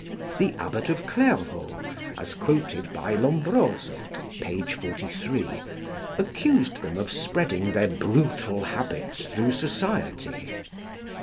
The Abbot of Clairvaux, as quoted by Lombroso (p. 43), accused them of spreading their brutal habits through society.